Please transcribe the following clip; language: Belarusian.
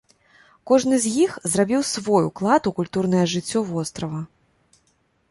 Кожны з іх зрабіў свой уклад у культурнае жыццё вострава.